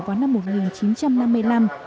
vào năm một nghìn chín trăm năm mươi năm